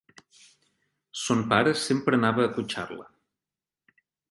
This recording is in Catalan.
Son pare sempre anava a acotxar-la.